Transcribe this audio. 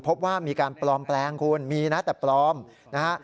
พบว่ามีการปลอมแปลงคุณมีนะแต่ปลอมนะฮะ